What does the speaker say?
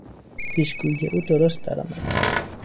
پیشگویی او درست درآمد.